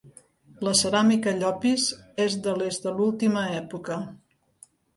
La Ceràmica Llopis és de les de l'última època.